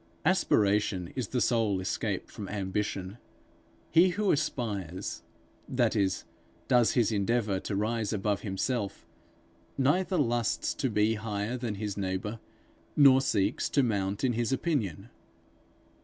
Aspiration is the sole escape from ambition. He who aspires that is, does his endeavour to rise above himself neither lusts to be higher than his neighbour, nor seeks to mount in his opinion.